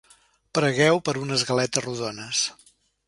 Pregueu per unes galetes rodones.